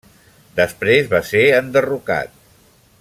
Després va ser enderrocat.